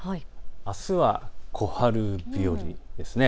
あすは小春日和です。